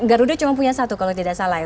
garuda cuma punya satu kalau tidak salah ya